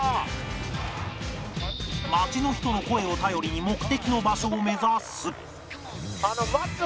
街の人の声を頼りに目的の場所を目指す